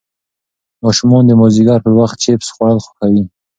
ماشومان د مازدیګر پر وخت چېپس خوړل خوښوي.